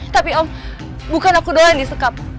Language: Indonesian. tapi om bukan aku doa yang disekap